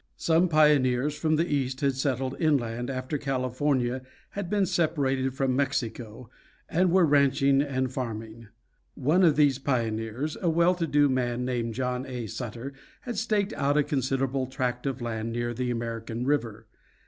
Some pioneers from the East had settled inland after California had been separated from Mexico, and were ranching and farming. One of these pioneers, a well to do man named John A. Sutter, had staked out a considerable tract of land near the American River.